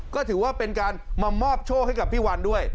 ก็ถือว่ามามอบโชคให้กับพี่วันด้วย